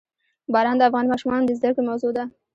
باران د افغان ماشومانو د زده کړې موضوع ده.